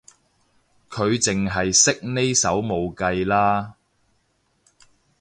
佢淨係識呢首冇計啦